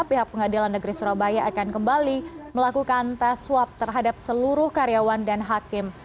pihak pengadilan negeri surabaya akan kembali melakukan tes swab terhadap seluruh karyawan dan hakim